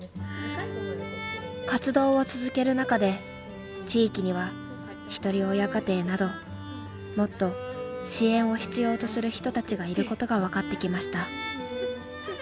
活動を続ける中で地域にはひとり親家庭などもっと支援を必要とする人たちがいることが分かってきました。